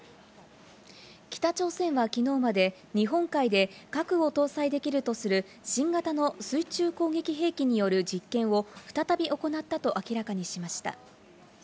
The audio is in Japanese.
北朝鮮は昨日まで、日本海で核を搭載できるとする新型の水中攻撃兵器による実験を再び行ったと明らかにしました。